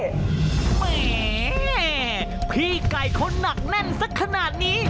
แหมพี่ไก่เขาหนักแน่นสักขนาดนี้